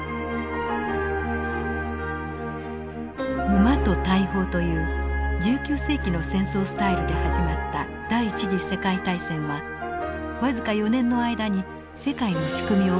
馬と大砲という１９世紀の戦争スタイルで始まった第一次世界大戦は僅か４年の間に世界の仕組みを大きく変えました。